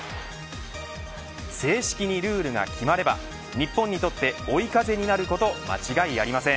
正式にルールが決まれば日本にとって追い風になること間違いありません。